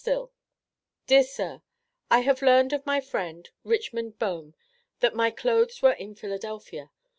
STILL: Dear Sir I have learned of my friend, Richmond Bohm, that my clothes were in Philadelphia.